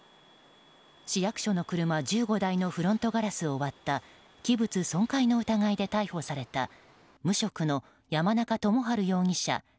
市役所の車１５台のフロントガラスを割った器物損壊の疑いで逮捕された無職の山中共治容疑者